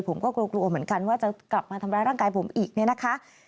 ผมก็กลัวกลัวเหมือนกันว่าจะกลับมาทำร้ายร่างกายผมอีกเนี่ยนะคะ